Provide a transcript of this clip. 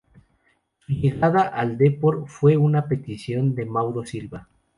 Su llegada al Depor fue una petición de Mauro Silva.